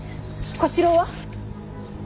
小四郎は。